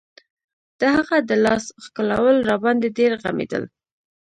د هغه د لاس ښکلول راباندې ډېر غمېدل.